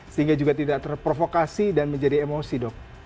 sehingga juga tidak terprovokasi dan menjadi emosi dok